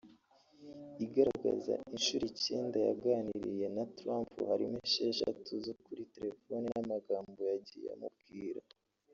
igaragaza inshuro icyenda yaganiriye na Trump harimo esheshatu zo kuri telefoni n’amagambo yagiye amubwira